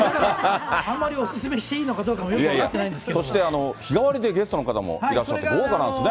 あんまりお勧めしていいのかどうそして、日替わりでゲストの方もいらっしゃって、豪華なんですね。